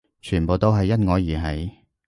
全部都係因我而起